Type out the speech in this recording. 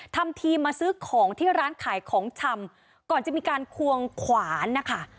ทำทีมาซื้อของที่ร้านขายของชำก่อนจะมีการควงขวานนะคะ